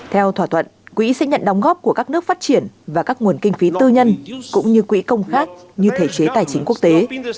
theo thỏa thuận quỹ sẽ nhận đóng góp của các nước phát triển và các nguồn kinh phí tư nhân cũng như quỹ công khác như thể chế tài chính quốc tế